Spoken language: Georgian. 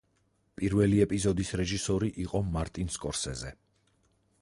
პირველი ეპიზოდის რეჟისორი იყო მარტინ სკორსეზე.